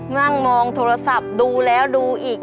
นั่งมองโทรศัพท์ดูแล้วดูอีก